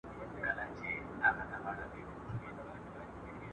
ولي ځيني پوهان سياست د قدرت مبارزه بولي؟